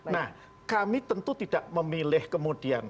nah kami tentu tidak memilih kemudian